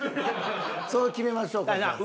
そう決めましょうかじゃあ。